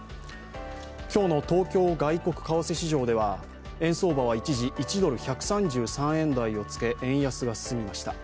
今日の東京外国為替市場では円相場は一時１ドル＝１３３円をつけ円安が進みました。